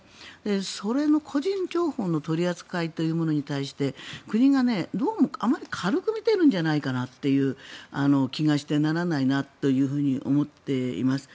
それの個人情報の取り扱いというものに対して国がどうも軽く見ているんじゃないかなという気がしてならないなというふうに思っています。